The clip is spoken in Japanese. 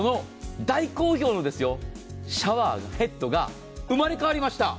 その大好評のシャワーヘッドが生まれ変わりました。